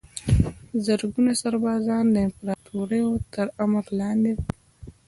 زرګونه سربازان د امپراتوریو تر امر لاندې وو.